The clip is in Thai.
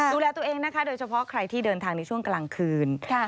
ดูแลตัวเองนะคะโดยเฉพาะใครที่เดินทางในช่วงกลางคืน